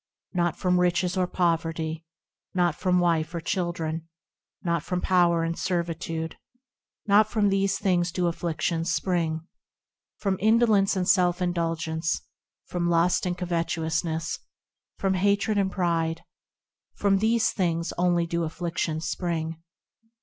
Not from riches or poverty, Not from wife or children, Not from power and servitude– Not from these things do afflictions spring. From indolence and self indulgence, From lust and coveteousness, From hatred and pride– From these things only do afflictions spring.